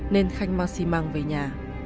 nên khanh mang xi măng về nhà